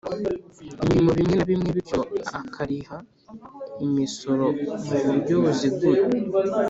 imirimo bimwe na bimwe bityo bakariha imisoro mu buryo buziguye